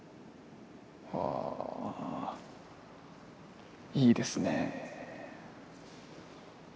あいいですね。